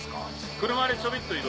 車でちょびっと移動。